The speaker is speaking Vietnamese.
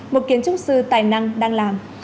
một kiến trúc sư tài năng đang làm